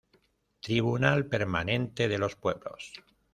Tribunal Permanente de los Pueblos